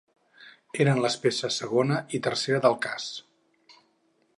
Eren les peces segona i tercera del cas.